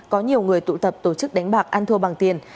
có nhiều người tụ tập tổ chức đánh bạc ăn thua bằng tiền